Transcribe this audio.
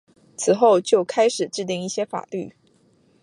此后就开始制定一些法律。